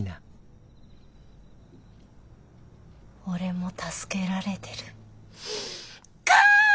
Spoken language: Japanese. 「俺も助けられてる」か！